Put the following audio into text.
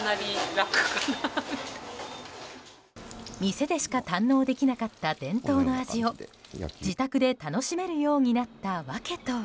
店でしか堪能できなかった伝統の味を自宅で楽しめるようになった訳とは。